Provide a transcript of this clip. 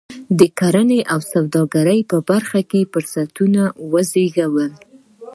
د کرنې او سوداګرۍ په برخه کې فرصتونه وزېږول.